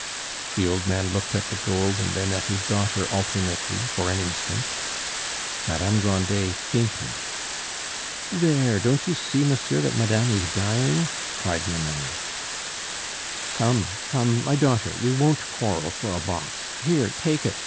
The old man looked at the gold and then at his daughter alternately for an instant. Madame Grandet fainted. "There! don't you see, monsieur, that madame is dying?" cried Nanon. "Come, come, my daughter, we won't quarrel for a box! Here, take it!"